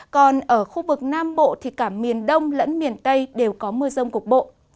còn ở khu vực nam bộ thì cả miền đông lẫn miền tây đều có mưa rông cục bộ